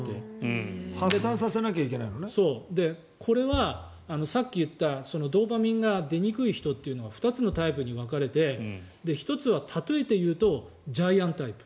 これはさっき言ったドーパミンが出にくい人というのは２つのタイプに分かれて１つは例えて言うとジャイアンタイプ。